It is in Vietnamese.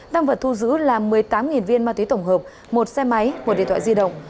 tăng vật thu giữ là một mươi tám viên ma túy tổng hợp một xe máy một điện thoại di động